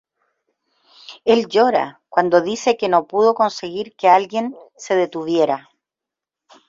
Él llora cuando dice que no pudo conseguir que alguien se detuviera.